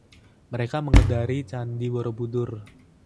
mereka mengedari candi Borobudur